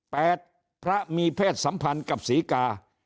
พระมีเพศสัมพันธ์กับศรีกา